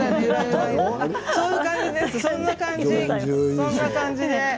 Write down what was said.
そんな感じです。